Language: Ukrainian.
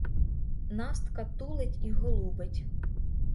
Настка тулить і голубить.